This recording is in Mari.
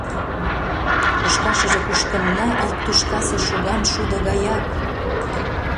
Кушкашыже кушкынна ик тӱшкасе шоган шудо гаяк.